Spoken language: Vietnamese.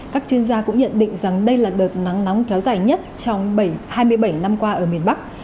các chuyên gia cũng nhận định rằng đây là đợt nắng nóng kéo dài nhất trong hai mươi bảy năm qua ở miền bắc